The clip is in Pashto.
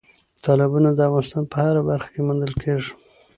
تالابونه د افغانستان په هره برخه کې موندل کېږي.